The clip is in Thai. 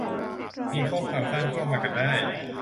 ยิงข้อความสั้นเข้ามากันได้